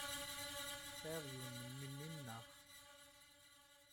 Tesɛid yiwen n memmi-m, naɣ?